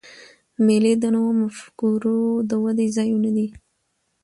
مېلې د نوو مفکورې د ودي ځایونه دي.